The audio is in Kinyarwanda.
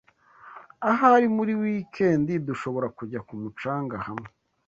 Ahari muri wikendi dushobora kujya ku mucanga hamwe.